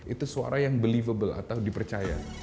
itu suara yang believable atau dipercaya